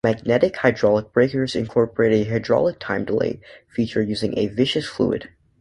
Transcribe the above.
Magnetic-hydraulic breakers incorporate a hydraulic time delay feature using a viscous fluid.